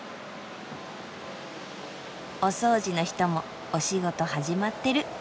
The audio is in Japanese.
お掃除の人もお仕事始まってる。